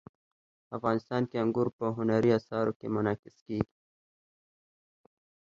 افغانستان کې انګور په هنري اثارو کې منعکس کېږي.